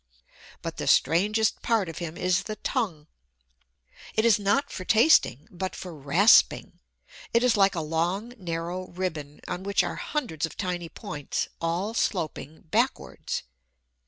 But the strangest part of him is the tongue. It is not for tasting, but for rasping. It is like a long, narrow ribbon, on which are hundreds of tiny points, all sloping backwards.